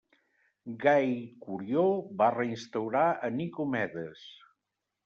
Gai Curió va reinstaurar a Nicomedes.